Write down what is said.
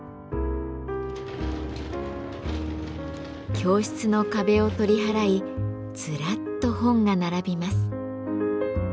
教室の壁を取り払いずらっと本が並びます。